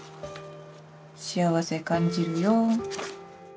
「幸せ感じるよ」。